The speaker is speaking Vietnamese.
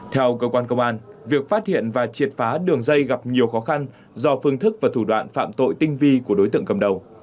theo cơ quan công an việc phát hiện và triệt phá đường dây gặp nhiều khó khăn do phương thức và thủ đoạn phạm tội tinh vi của đối tượng cầm đầu